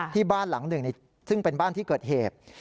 ที่บ้านหลังหนึ่งซึ่งเป็นบ้านที่เกิดเหตุ